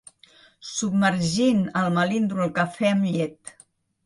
Submergint el melindro al cafè amb llet.